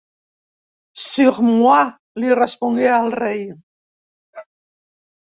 «Sur moi», li respongué el rei.